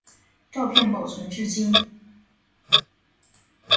照片保存至今。